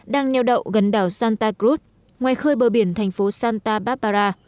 đang nheo đậu gần đảo santa cruz ngoài khơi bờ biển thành phố santa barbara